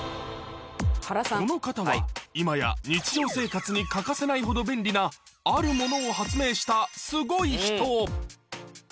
この方は今や日常生活に欠かせないほど便利な、あるものを発明したすごい人。